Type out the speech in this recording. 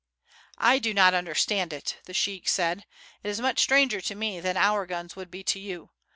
"I do not understand it," the sheik said; "it is much stranger to me than our guns would be to you.